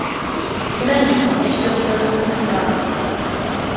Гераніма, хоць ён траюрадны брат!